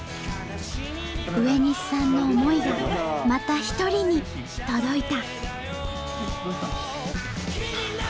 植西さんの思いがまた一人に届いた。